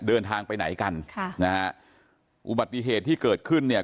เดินทางไปไหนกันค่ะนะฮะอุบัติเหตุที่เกิดขึ้นเนี่ย